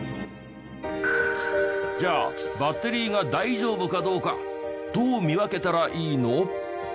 じゃあバッテリーが大丈夫かどうかどう見分けたらいいの？